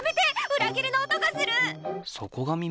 そこが耳？